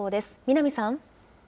南さん。